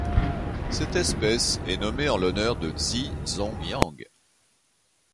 Cette espèce est nommée en l'honneur de Zi-zhong Yang.